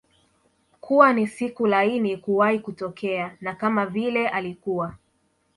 kuwa ni siku laini kuwahi kutokea na kama vile alikuwa